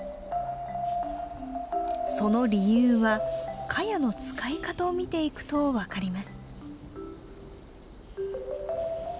その理由はカヤの使い方を見ていくと分かります。